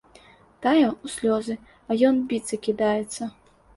Тая ў слёзы, а ён біцца кідаецца.